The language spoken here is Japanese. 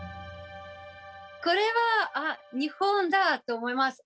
これはあっ日本だ！と思います。